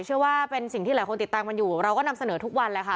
เชื่อว่าเป็นสิ่งที่หลายคนติดตามกันอยู่เราก็นำเสนอทุกวันแหละค่ะ